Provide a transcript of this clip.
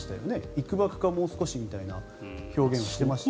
いくばくかもう少しという表現をしていました。